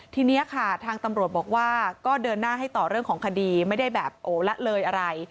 ทีนี้ค่ะทางตำรวจบอกว่าก็เดินหน้าให้ต่อเรื่องของคดีไม่ได้แบบโอ้ละเลยอะไร